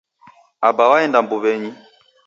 Aba waenda mbuwenyi